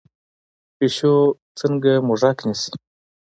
پیشو څنګه موږک نیسي؟